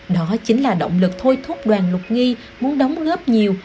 đó chính là động lực thôi thúc đoàn lục nghi muốn đóng góp nhiều